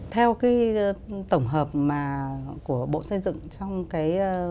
theo cái tổng hợp của bộ xây dựng trong cái